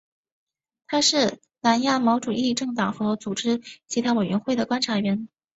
它是南亚毛主义政党和组织协调委员会的观察员。